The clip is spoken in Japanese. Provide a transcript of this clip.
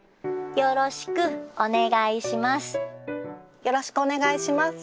よろしくお願いします。